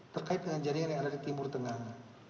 terkait dengan jaringan yang ada di timur tengah